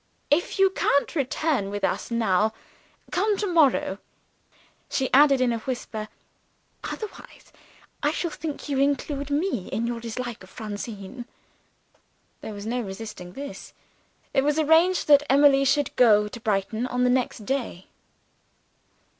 If you can't return with us now, come to morrow." She added in a whisper, "Otherwise, I shall think you include me in your dislike of Francine." There was no resisting this. It was arranged that Emily should go to Brighton on the next day.